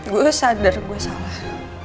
gue sadar gue salah